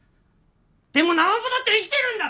でもナマポだって生きてるんだ！